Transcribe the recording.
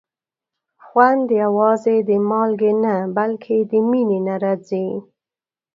خوند یوازې د مالګې نه، بلکې د مینې نه راځي.